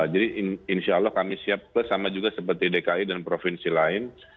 jadi insya allah kami siap sama juga seperti dki dan provinsi lain